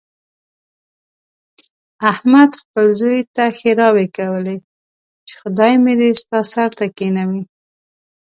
احمد خپل زوی ته ښېراوې کولې، چې خدای مې دې ستا سر ته کېنوي.